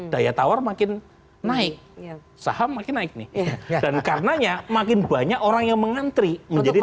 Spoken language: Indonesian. daya tawar makin naik saham makin naik nih dan karenanya makin banyak orang yang mengantri menjadi